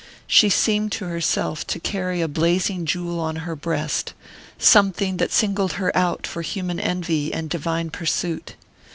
She seemed to herself to carry a blazing jewel on her breast something that singled her out for human envy and divine pursuit.